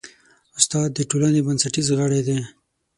استاد د ټولنې بنسټیز غړی دی.